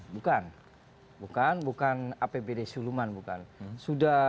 bukan apbd siluman